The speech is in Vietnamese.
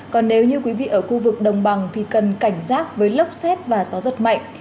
còn nếu như quý vị ở khu vực đồng bằng thì cần cảnh giác với lốc xét và gió giật mạnh